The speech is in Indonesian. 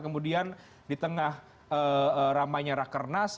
kemudian di tengah ramainya raker nas